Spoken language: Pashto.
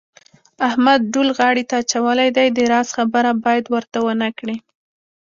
احمد ډول غاړې ته اچولی دی د راز خبره باید ورته ونه کړې.